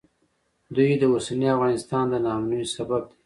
دوی د اوسني افغانستان د ناامنیو سبب دي